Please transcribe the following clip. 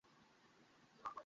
রাতে ঘুম হয় নি।